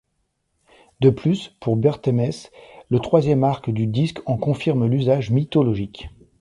De plus, pour Bertemes le troisième arc du disque en confirme l’usage mythologique.